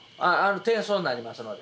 転送になりますので。